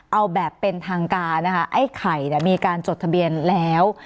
เอาแบบเป็นทางการนะคะไอ้ไข่เนี่ยมีการจดทะเบียนแล้ว